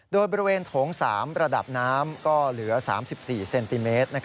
โดยบริเวณโถง๓ระดับน้ำก็เหลือ๓๔เซนติเมตร